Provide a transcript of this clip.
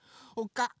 おか。